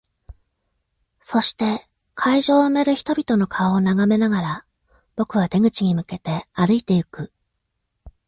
そして、会場を埋める人々の顔を眺めながら、僕は出口に向けて歩いていく。